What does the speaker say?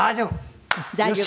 大丈夫！